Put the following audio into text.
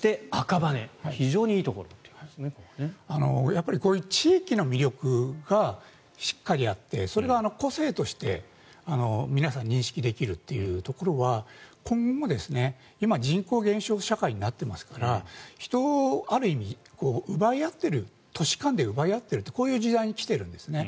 やっぱりこういう地域の魅力がしっかりあってそれが個性として皆さん認識できるというところは今後も今人口減少社会になっていますから人をある意味都市間で奪い合っているこういう時代に来ているんですね。